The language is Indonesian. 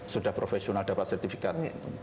sudah profesional dapat sertifikat